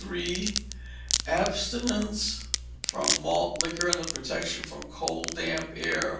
43, abstinence from malt liquor, and protection from cold damp air.